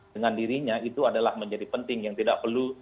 dengan dirinya itu adalah menjadi penting yang tidak perlu